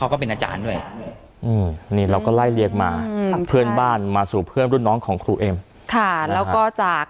ถ้าถึงทำก็ไม่ถึงขนาดที่จะต้องทำขนาดนี้ค่ะ